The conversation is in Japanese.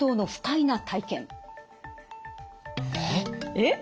えっ？